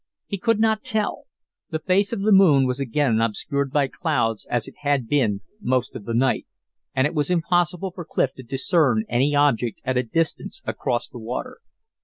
He could not tell. The face of the moon was again obscured by clouds as it had been most of the night, and it was impossible for Clif to discern any object at a distance across the water.